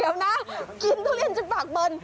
เดี๋ยวนะกินทุเรียนจนปากเบิร์น